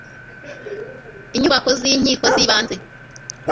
inyubako z'inkiko z'ibanze